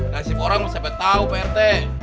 kasih orang siapa tau pak rt